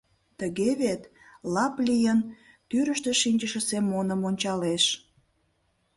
Тыге вет? — лап лийын, тӱрыштӧ шинчыше Семоным ончалеш.